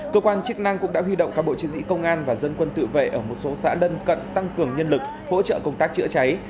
cơ quan chức năng cũng đã huy động các bộ chiến sĩ công an và dân quân tự vệ ở một số xã lân cận tăng cường nhân lực hỗ trợ công tác chữa cháy